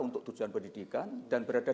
untuk tujuan pendidikan dan berada